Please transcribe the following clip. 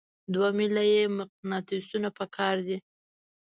دوه میله یي مقناطیسونه پکار دي.